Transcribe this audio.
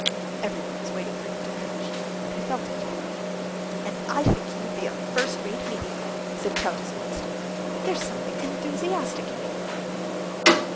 Everyone was waiting for him to finish, and he felt it. "And I think you would be a first rate medium," said Countess Nordston; "there's something enthusiastic in you."